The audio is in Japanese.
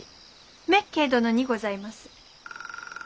滅敬殿にございます。